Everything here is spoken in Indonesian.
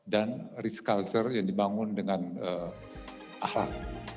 dan risk culture yang dibangun dengan akhlak